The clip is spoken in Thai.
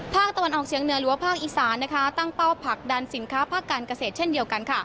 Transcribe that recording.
ภาคตะวันออกเฉียงเหนือหรือว่าภาคอีสานตั้งเป้าผลักดันสินค้าภาคการเกษตรเช่นเดียวกัน